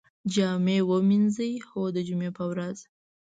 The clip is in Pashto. جامی ومینځئ؟ هو، د جمعې په ورځ